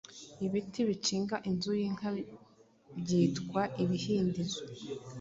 Ibiti bikinga inzu y’inka byitwa Ibihindizo